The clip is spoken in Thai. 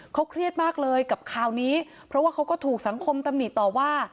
เขาเครียดมากเลยกับคราวนี้เพราะว่าเขาก็ถูกสังคมตำหนิต่อว่า